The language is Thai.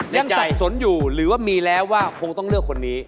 สับสนอยู่หรือว่ามีแล้วว่าคงต้องเลือกคนนี้